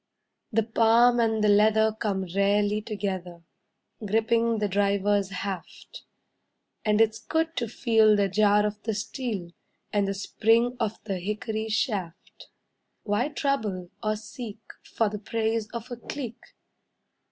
The palm and the leather come rarely together, Gripping the driver's haft, And it's good to feel the jar of the steel And the spring of the hickory shaft. Why trouble or seek for the praise of a clique?